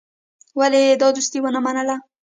ولي يې دا دوستي ونه منله.